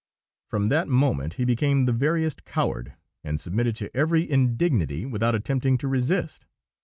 From that moment he became the veriest coward, and submitted to every indignity without attempting to resist.